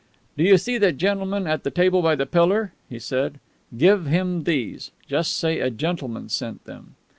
"Do you see that gentleman at the table by the pillar?" he said. "Give him these. Just say a gentleman sent them."